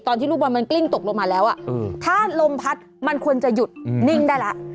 ตอนที่ลูกบอลมันกลิ้งตกลงมาแล้วอ่ะถ้าลมพลาสติกมันควรจะหยุดนิ่งได้แล้ว